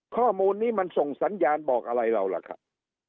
ข้อมูลนี้มันส่งสัญญาณบอกอะไรเราล่ะครับ